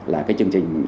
là cái chương trình